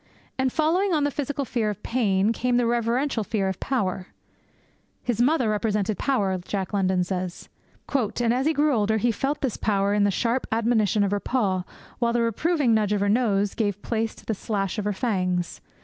And following on the physical fear of Pain came the reverential fear of Power. 'His mother represented Power,' Jack London says, 'and as he grew older he felt this power in the sharper admonition of her paw, while the reproving nudge of her nose gave place to the slash of her fangs.